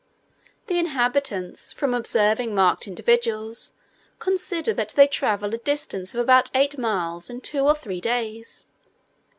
The inhabitants, from observing marked individuals, consider that they travel a distance of about eight miles in two or three days.